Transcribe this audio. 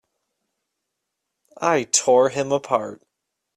I tore him apart!